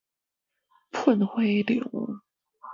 噴火龍